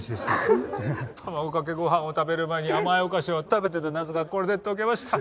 卵かけご飯を食べる前に甘いお菓子を食べてた謎がこれで解けました。